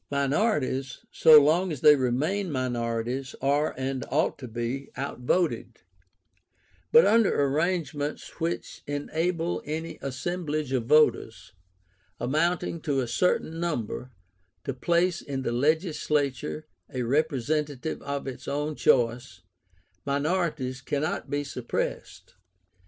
Minorities, so long as they remain minorities, are, and ought to be, outvoted; but under arrangements which enable any assemblage of voters, amounting to a certain number, to place in the legislature a representative of its own choice, minorities cannot be suppressed.